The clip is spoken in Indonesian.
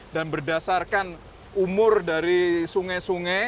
dan berdasarkan umur dari sungai sungai